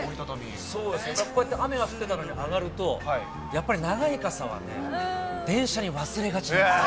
こうやって雨が降ってたのに上がると、やっぱり長い傘はね、電車に忘れがちなんですよ。